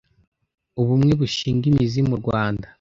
Ubumwe bushinge imizi mu Rwanda